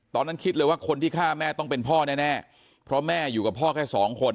ตอนนั้นคิดเลยว่าคนที่ฆ่าแม่ต้องเป็นพ่อแน่เพราะแม่อยู่กับพ่อแค่สองคน